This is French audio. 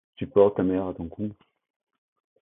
Tu portes ta mère à ton cou.